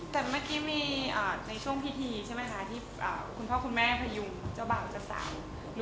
แต่เมื่อกี้มีในช่วงพิธีใช่ไหมคะที่คุณพ่อคุณแม่พยุงเจ้าบ่าวเจ้าสาว